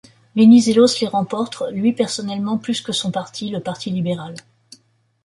Venizélos les remporte, lui personnellement plus que son parti, le Parti libéral.